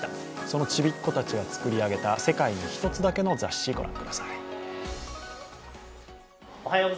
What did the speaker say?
そのちびっこたちが作り上げた世界に一つだけの雑誌、御覧ください